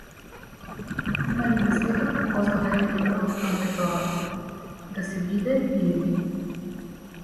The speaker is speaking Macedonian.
Има ли на светот попозната реплика од Хамлетовата: да се биде или не?